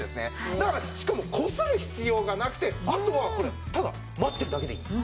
だからしかもこする必要がなくてあとはただ待ってるだけでいいんです。